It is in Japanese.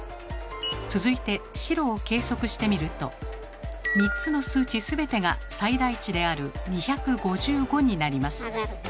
続いて白を計測してみると３つの数値全てが最大値である「２５５」になります。